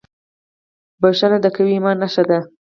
• بښنه د قوي ایمان نښه ده.